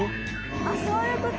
あっそういうこと？